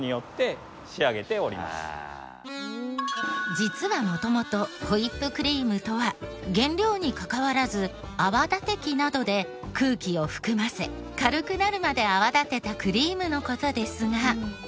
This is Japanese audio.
実は元々ホイップクリームとは原料にかかわらず泡立て器などで空気を含ませ軽くなるまで泡立てたクリームの事ですが。